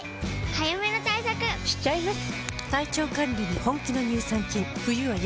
早めの対策しちゃいます。